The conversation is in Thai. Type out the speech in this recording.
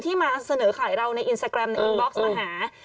มาเสนอขายเราในอินสตาแกรมในอินบ็อกซ์มาหา